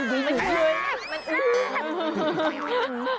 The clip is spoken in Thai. มันอื้น